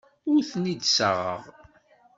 Ur tent-id-ssaɣeɣ.